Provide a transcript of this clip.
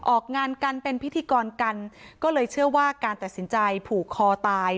ออกงานกันเป็นพิธีกรกันก็เลยเชื่อว่าการตัดสินใจผูกคอตาย